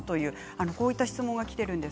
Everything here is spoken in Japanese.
こういった質問がきています。